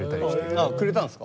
あっくれたんですか？